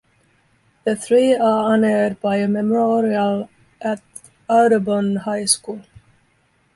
The three are honored by a memorial at Audubon High School.